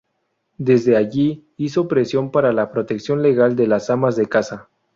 Desde allí hizo presión para la protección legal de las amas de casa.